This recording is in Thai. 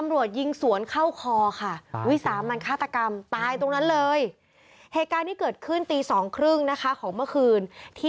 รอขึ้น